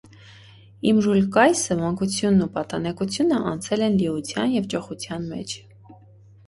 Իմրուլկայսը մանկությունն ու պատանեկությունը անցել են լիության և ճոխության մեջ։